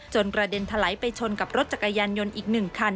จนกระเด็นทะไหลไปชนกับรถจักรยานยนต์อีกหนึ่งคัน